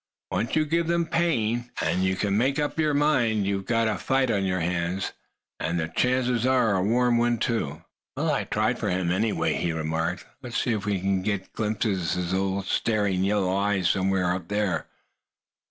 "Once you give them pain, and you can make up your mind you've got a fight on your hands, and the chances are, a warm one too." Giraffe looked disappointed. "Well, I tried for him, anyway," he remarked. "Let's see if we can glimpse his old staring yellow eyes somewhere up there."